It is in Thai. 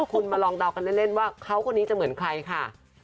คุณมาลองเดากันเล่นว่าเขาคนนี้จะเหมือนใครค่ะ